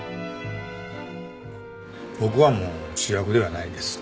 僕はもう主役ではないです。